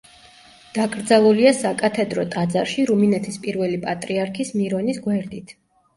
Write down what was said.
დაკრძალულია საკათედრო ტაძარში რუმინეთის პირველი პატრიარქის მირონის გვერდით.